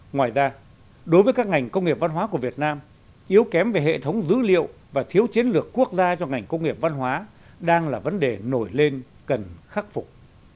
ngoài ra đối với các ngành công nghiệp văn hóa của việt nam yếu kém về hệ thống dữ liệu và thiếu chiến lược quốc gia cho ngành công nghiệp văn hóa đang là vấn đề nổi lên cần khắc phục